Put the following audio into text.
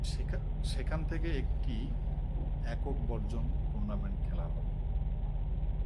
সেখান থেকে, একটি একক বর্জন টুর্নামেন্ট খেলা হবে।